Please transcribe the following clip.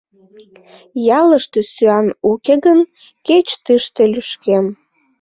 — Ялыште сӱан уке гын, кеч тыште лӱшкем.